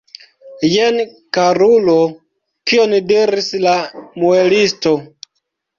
Jen, karulo, kion diris la muelisto!